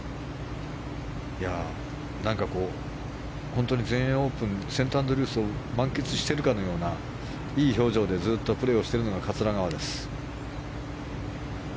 本当に全英オープンセントアンドリュースを満喫しているかのようないい表情でずっとプレーしているのが桂川です。